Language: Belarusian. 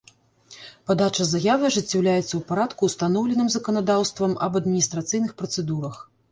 Падача заявы ажыццяўляецца ў парадку, устаноўленым заканадаўствам аб адмiнiстрацыйных працэдурах.